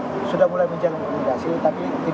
kita sudah mulai menjalankan komunikasi